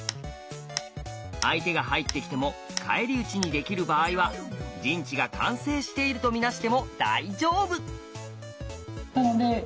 相手が入ってきても返り討ちにできる場合は陣地が完成しているとみなしても大丈夫。